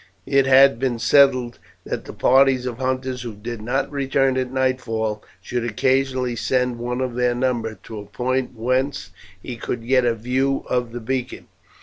It had been settled that the parties of hunters who did not return at nightfall should occasionally send one of their number to a point whence he could get a view of the beacon.